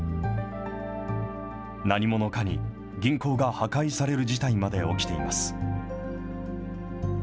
何者かに銀行が破壊される事態まで起きています。